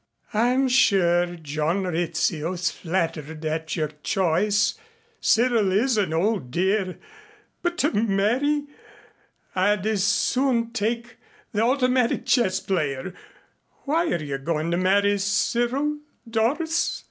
"I'm sure John Rizzio is flattered at your choice. Cyril is an old dear. But to marry! I'd as soon take the automatic chess player. Why are you going to marry Cyril, Doris?"